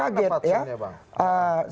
bagaimana faksinya bang